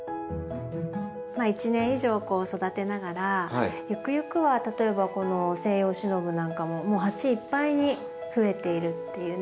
１年以上こう育てながらゆくゆくは例えばこのセイヨウシノブなんかももう鉢いっぱいに増えているっていうね